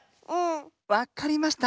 わかりました。